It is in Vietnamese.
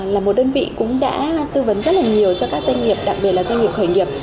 là một đơn vị cũng đã tư vấn rất là nhiều cho các doanh nghiệp đặc biệt là doanh nghiệp khởi nghiệp